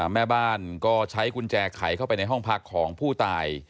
แม่บ้านก็ใช้กุญแจไขเข้าไปในห้องพักของผู้ตาย